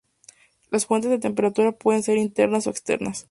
Las fuentes de temperatura pueden ser internas o externas.